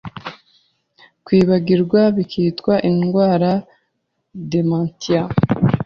kwibagirwa bikitwa indwara dementia